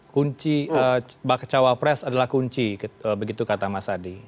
kunci bacchawa press adalah kunci begitu kata mas hadi